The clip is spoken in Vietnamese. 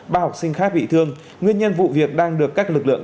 ba học sinh khác bị thương nguyên nhân vụ việc đang được các lực lượng